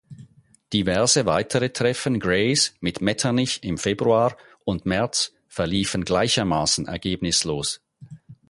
Diverse weitere Treffen Greys mit Metternich im Februar und März verliefen gleichermaßen ergebnislos.